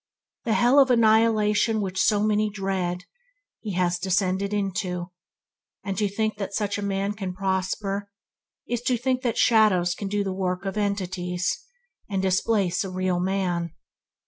The hell of annihilation which so many dread, he has descended into; and to think that such a man can prosper is to think that shadows can do the work of entities, and displace real men.